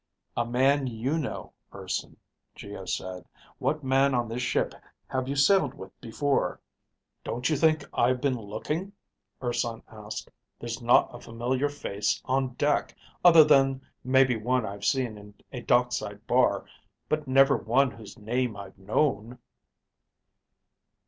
"A man you know, Urson," Geo said. "What man on this ship have you sailed with before?" "Don't you think I've been looking?" Urson asked. "There's not a familiar face on deck, other than maybe one I've seen in a dockside bar, but never one whose name I've known."